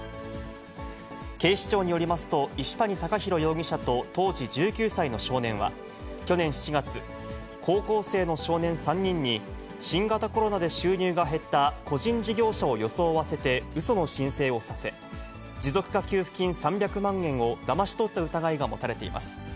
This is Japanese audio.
警視庁によりますと、石谷貴裕容疑者と当時１９歳の少年は、去年７月、高校生の少年３人に、新型コロナで収入が減った個人事業者を装わせてうその申請をさせ、持続化給付金３００万円をだまし取った疑いが持たれています。